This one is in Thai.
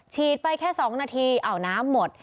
ไปแค่๒นาทีเอาน้ำหมด